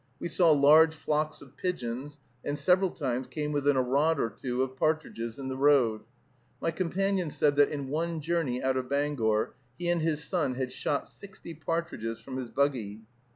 We saw large flocks of pigeons, and several times came within a rod or two of partridges in the road. My companion said that in one journey out of Bangor he and his son had shot sixty partridges from his buggy.